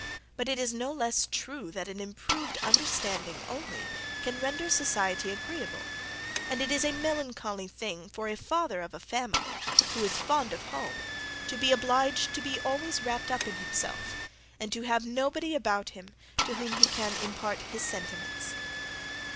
But it is no less true, than an improved understanding only can render society agreeable; and it is a melancholy thing for a father of a family, who is fond of home, to be obliged to be always wrapped up in himself, and to have nobody about him to whom he can impart his sentiments.